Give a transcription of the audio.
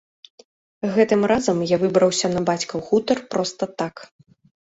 Гэтым разам я выбраўся на бацькаў хутар проста так.